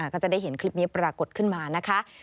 ก็จะได้เห็นคลิปนี้ปรากฏขึ้นมานะคะ